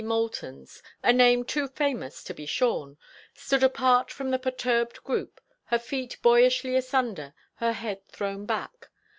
Moultons—a name too famous to be shorn——stood apart from the perturbed group, her feet boyishly asunder, her head thrown back.